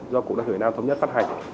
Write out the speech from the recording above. do cụ đoàn thủy nam thống nhất phát hành